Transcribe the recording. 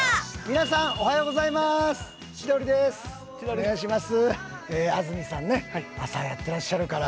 皆さん、おはようございます千鳥です。